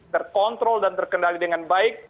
terkontrol dan terkendali dengan baik